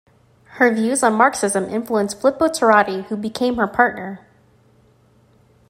Her views on Marxism influenced Filippo Turati, who became her partner.